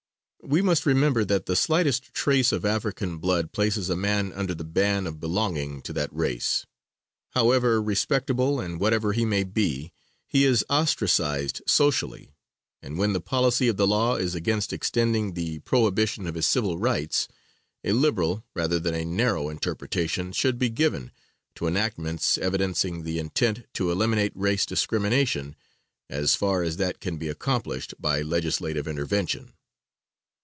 We must remember that the slightest trace of African blood places a man under the ban of belonging to that race. However respectable and whatever he may be, he is ostracized socially, and when the policy of the law is against extending the prohibition of his civil rights, a liberal, rather than a narrow interpretation should be given to enactments evidencing the intent to eliminate race discrimination, as far as that can be accomplished by legislative intervention."